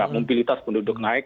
mobilitas penduduk naik